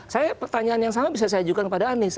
saya pertanyaan yang sama bisa saya ajukan kepada anies